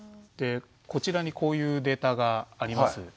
でこちらにこういうデータがあります。